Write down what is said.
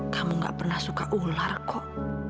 kamu gak pernah suka ular kok